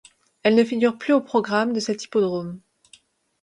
Elle ne figure plus au programme de cet hippodrome.